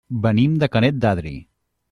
Venim de Canet d'Adri.